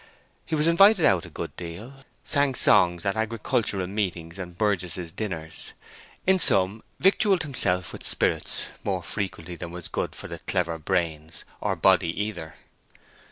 He was invited out a good deal, sang songs at agricultural meetings and burgesses' dinners; in sum, victualled himself with spirits more frequently than was good for the clever brains or body either.